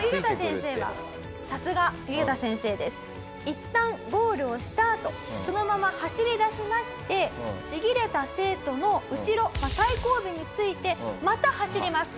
いったんゴールをしたあとそのまま走り出しましてちぎれた生徒の後ろ最後尾についてまた走ります。